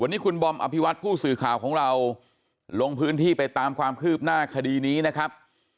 วันนี้คุณบอมอภิวัตผู้สื่อข่าวของเราลงพื้นที่ไปตามความคืบหน้าคดีนี้นะครับ